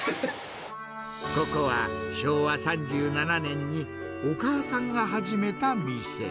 ここは昭和３７年に、お母さんが始めた店。